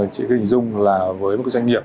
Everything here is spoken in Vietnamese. chỉ hình dung là với một doanh nghiệp